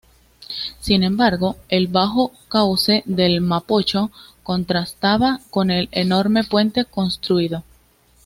Sin embargo, el bajo cauce del Mapocho contrastaba con el enorme puente construido.